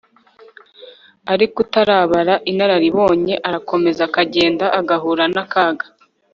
ariko utaraba inararibonye arakomeza akagenda agahura n'akaga